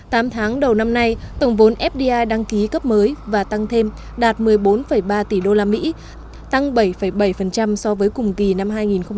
tám tháng đầu năm nay tổng vốn fdi đăng ký cấp mới và tăng thêm đạt một mươi bốn ba tỷ usd tăng bảy bảy so với cùng kỳ năm hai nghìn một mươi tám